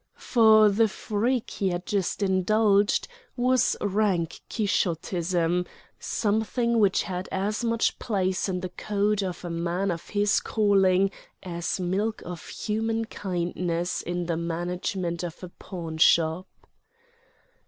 For the freak he had just indulged was rank quixotism, something which had as much place in the code of a man of his calling as milk of human kindness in the management of a pawnshop.